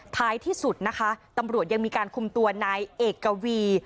ท้ายที่สุดนะคะตำรวจยังมีการคุมตัวนายเอกวี